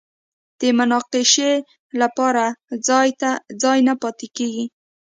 د مناقشې لپاره ځای نه پاتې کېږي